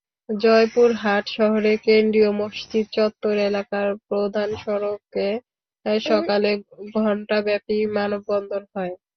জয়পুরহাট শহরের কেন্দ্রীয় মসজিদ চত্বর এলাকার প্রধান সড়কে সকালে ঘণ্টাব্যাপী মানববন্ধন হয়।